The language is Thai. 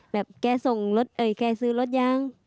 แบบแกซื้อรถยัง